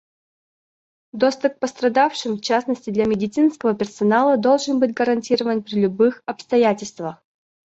Доступ к пострадавшим, в частности для медицинского персонала, должен быть гарантирован при любых обстоятельствах.